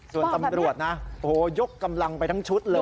ร่วมกับตำรวจยกกำลังไปทั้งชุด